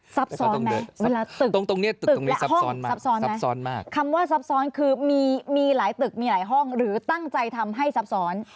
ซับซ้อนไหมเวลาตึกตรงตรงนี้ตึกและห้องซับซ้อนไหมคำว่าซับซ้อนคือมีหลายตึกมีหลายห้องหรือตั้งใจทำให้ซับซ้อน